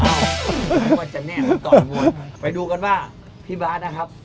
อ้าวว่าจะแน่นเหมือนต่อยมวยไปดูกันว่าพี่บ๊าสนะครับ